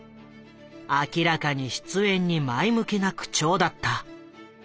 明らかに出演に前向きな口調だった。